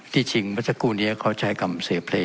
ที่จริงวันสักครู่นี้เขาใช้กรรมเสพเล